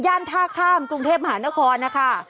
ท่าข้ามกรุงเทพมหานครนะคะ